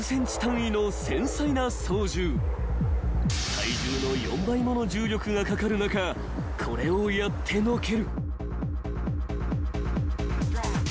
［体重の４倍もの重力がかかる中これをやってのける］